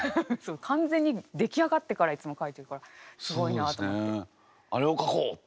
完全に出来上がってからいつも書いてるからすごいなと思って。